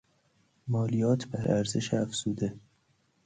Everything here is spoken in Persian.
مالیات بر ارزش افزوده